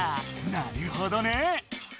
なるほどね。